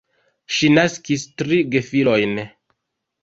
Ŝi naskis tri gefilojn.